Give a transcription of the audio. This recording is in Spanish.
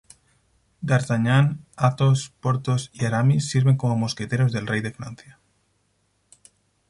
D'Artagnan, Athos, Porthos y Aramis sirven como mosqueteros del rey de Francia.